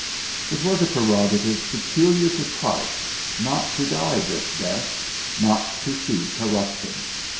It was a prerogative peculiar to Christ, not to die this death, not to see corruption.